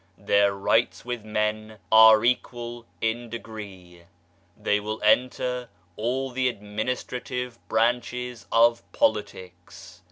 Their rights with men are equal in degree. They will enter all the administrative branches of politics.